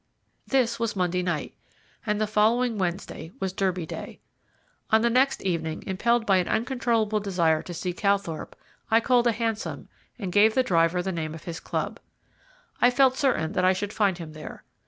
This was Monday night, and the following Wednesday was Derby Day. On the next evening, impelled by an uncontrollable desire to see Calthorpe, I called a hansom and gave the driver the name of his club. I felt certain that I should find him there.